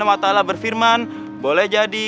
boleh jadi kamu memperbaiki diri kalian semua ya